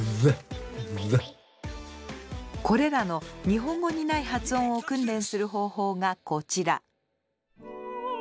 これらの日本語にない発音を訓練する方法がこちら。